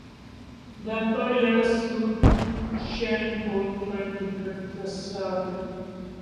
The employees later sued Chen in court, trying to get their salary.